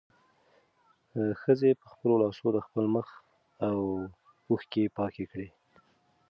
ښځې په خپلو لاسو د خپل مخ اوښکې پاکې کړې.